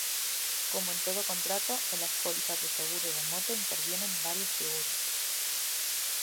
Como en todo contrato, en las pólizas de seguro de moto intervienen varias figuras.